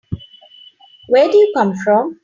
Where do you come from?